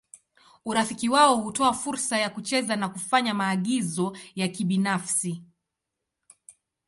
Urafiki wao hutoa fursa ya kucheza na kufanya maagizo ya kibinafsi.